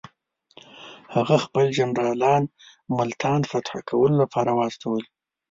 هغه خپل جنرالان ملتان فتح کولو لپاره واستول.